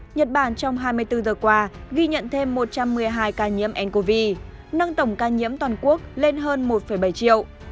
nhật bản trong hai mươi bốn giờ qua ghi nhận thêm một trăm một mươi hai ca nhiễm ncov nâng tổng quốc lên hơn một bảy triệu